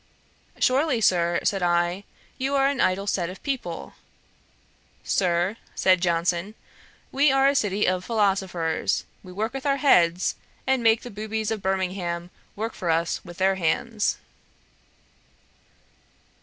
'Surely, Sir, (said I,) you are an idle set of people.' 'Sir, (said Johnson,) we are a city of philosophers, we work with our heads, and make the boobies of Birmingham work for us with their hands.'